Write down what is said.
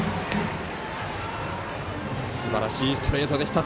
すばらしいストレートでした。